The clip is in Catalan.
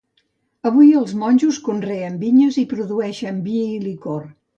Avui els monjos conreen vinyes i produeixen vi i licor.